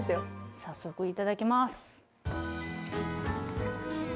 早速いただきます。